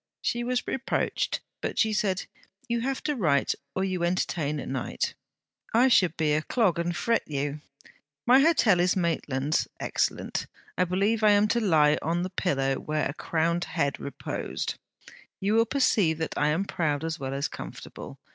She was reproached, but she said: 'You have to write or you entertain at night; I should be a clog and fret you. My hotel is Maitland's; excellent; I believe I am to lie on the pillow where a crowned head reposed! You will perceive that I am proud as well as comfortable.